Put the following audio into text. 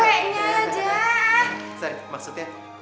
jangan lupa like share dan subscribe ya